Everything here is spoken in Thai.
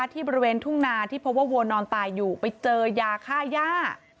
ที่บริเวณทุ่งนาที่พบว่าวัวนอนตายอยู่ไปเจอยาฆ่าย่า